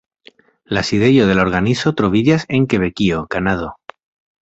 La sidejo de la organizo troviĝas en Kebekio, Kanado.